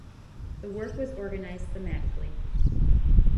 The work was organized thematically.